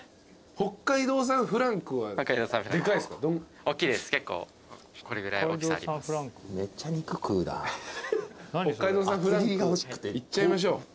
北海道産フランクいっちゃいましょう。